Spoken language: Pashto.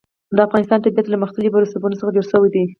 د افغانستان طبیعت له مختلفو رسوبونو څخه جوړ شوی دی.